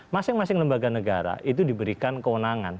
masing masing lembaga negara itu diberikan kewenangan